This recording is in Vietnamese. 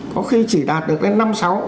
có khi chỉ đạt được đến năm sáu